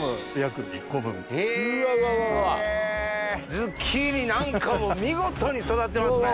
ズッキーニ何かもう見事に育ってますね。